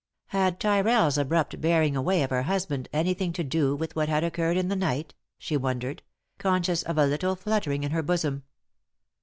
Had Tyrrell's abrupt bearing away of her husband any thing to do with what had occurred in the night ? she wondered, conscious of a little fluttering in her bosom.